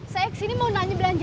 saya kesini mau nanya belanjaan saya